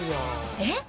えっ？